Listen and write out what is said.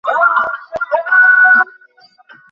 কোনও লাভ নেই।